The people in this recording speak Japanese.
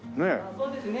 そうですね。